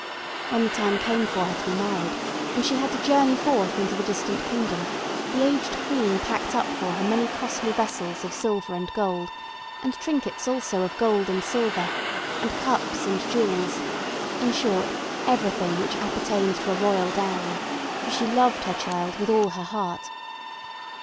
When the time came for her to be married, and she had to ,journey forth into the distant kingdom, the aged Queen packed up for her many costly vessels of silver and gold, and trinkets also of gold and silver; and cups and jewels, in short, everything which appertained to a royal dowry, for she loved her child with all her heart.